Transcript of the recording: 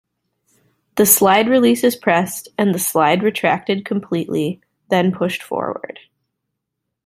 The slide release is pressed and the slide retracted completely then pushed forward.